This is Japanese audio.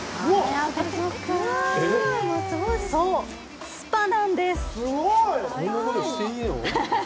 そう、スパなんです。